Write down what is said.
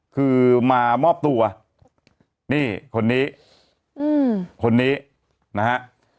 คือมามอบตัวนี่คนนี้คนนี้นะฮะ